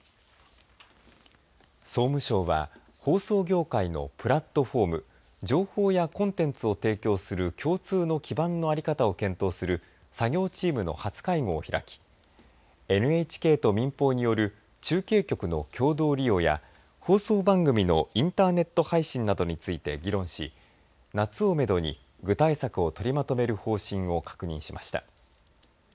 総務省は放送業界のプラットフォーム情報やコンテンツを提供する共通の基盤の在り方を検討する作業チームの初会合を開きＮＨＫと民放による中継局の共同利用や放送番組のインターネット配信などについて議論し夏をめどに具体策を取りまとめる方針を確認しました。